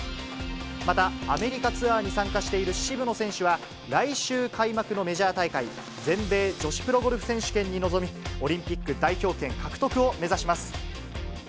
またアメリカツアーに参加している渋野選手は、来週開幕のメジャー大会、全米女子プロゴルフ選手権に臨み、オリンピック代表権獲得を目指します。